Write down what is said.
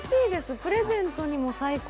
プレゼントにも最高。